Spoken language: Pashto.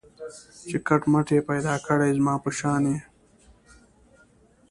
چي کټ مټ یې پیدا کړی زما په شان یې